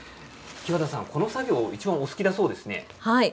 木和田さん、この作業がいちばんお好きだそうですね。